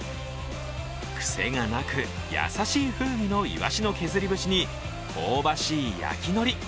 癖がなく優しい風味のいわしの削り節に香ばしい焼きのり。